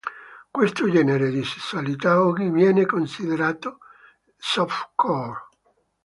Questo genere di sessualità oggi viene considerato softcore.